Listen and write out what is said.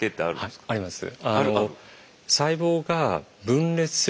あります。